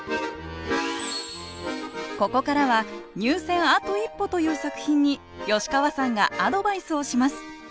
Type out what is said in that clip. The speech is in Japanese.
ここからは入選あと一歩という作品に吉川さんがアドバイスをします。